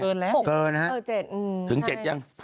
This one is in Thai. เกินแล้ว๖เกินนะครับ๗ถึง๗ยัง